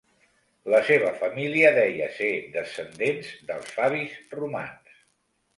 La seva família deia ser descendents dels Fabis romans.